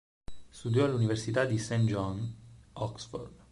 Studiò all'Università di St. John, Oxford.